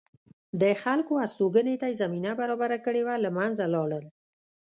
د خلکو هستوګنې ته یې زمینه برابره کړې وه له منځه لاړل